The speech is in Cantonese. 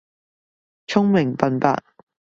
聰明笨伯